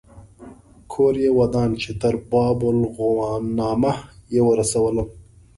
کور یې ودان چې تر باب الغوانمه یې ورسولم.